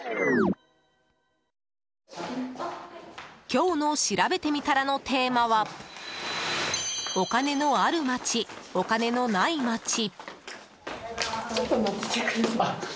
今日のしらべてみたらのテーマはお金のあるまち、お金のないまち。